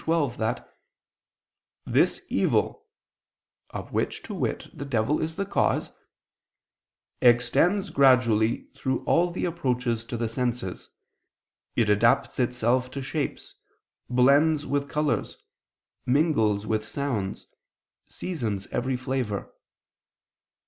12) that "this evil," of which, to wit, the devil is the cause, "extends gradually through all the approaches to the senses, it adapts itself to shapes, blends with colors, mingles with sounds, seasons every flavor."